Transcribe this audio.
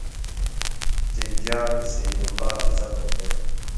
سیندیا د سعد الله عزت وکړ.